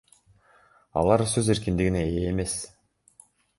Алар сөз эркиндигине ээ эмес.